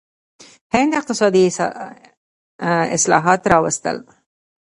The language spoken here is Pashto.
هند اقتصادي اصلاحات راوستل.